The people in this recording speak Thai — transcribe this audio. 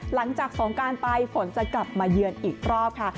หลังจากสงการไปฝนจะกลับมาเยือนอีกรอบค่ะ